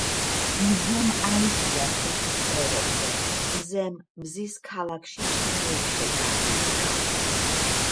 მზემ აიწია ფეხის წვერებზე მზემ მზის ქალაქში ჩამოიხედა იდგა